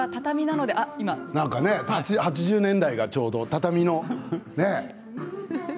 ８０年代がちょうど畳の。